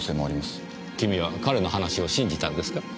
君は彼の話を信じたんですか？